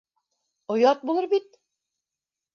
Оят булыр бит.